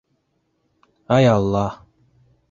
Ай алла!